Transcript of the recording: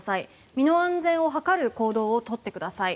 身の安全を図る行動を取ってください。